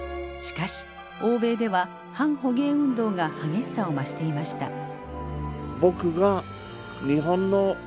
しかし欧米では反捕鯨運動が激しさを増していました。